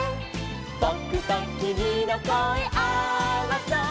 「ぼくときみのこえあわそ」